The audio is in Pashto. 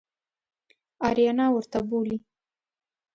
آریانا ورته بولي.